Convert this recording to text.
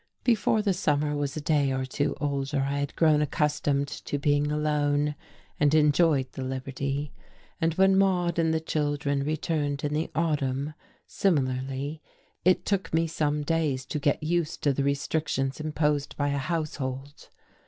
Before the summer was a day or two older I had grown accustomed to being alone, and enjoyed the liberty; and when Maude and the children returned in the autumn, similarly, it took me some days to get used to the restrictions imposed by a household.